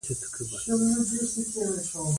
انار د افغانستان د شنو سیمو یوه ډېره ښکلې ښکلا ده.